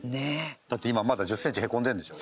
だって今まだ１０センチへこんでるんでしょ？